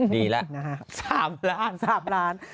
ดีละ๓ล้าน